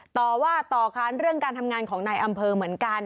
ต่อว่าต่อค้านเรื่องการทำงานของนายอำเภอเหมือนกัน